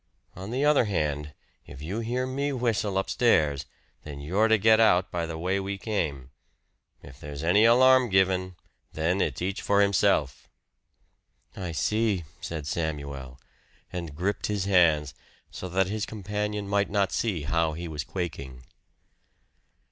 On the other hand, if you hear me whistle upstairs, then you're to get out by the way we came. If there's any alarm given, then it's each for himself." "I see," said Samuel; and gripped his hands so that his companion might not see how he was quaking.